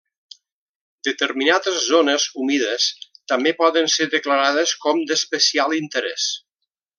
Determinades zones humides també poden ser declarades com d'especial interès.